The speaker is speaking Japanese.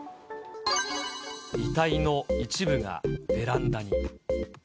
遺体の一部がベランダに。